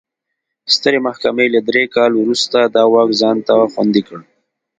سترې محکمې له درې کال وروسته دا واک ځان ته خوندي کړ.